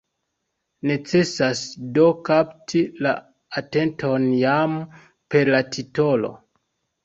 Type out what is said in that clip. Necesas do kapti la atenton, jam per la titolo.